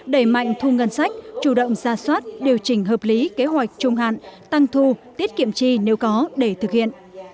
đẩy mạnh thu ngân sách chủ động ra soát điều chỉnh hợp lý kế hoạch trung hạn tăng thu tiết kiệm chi nếu có để thực hiện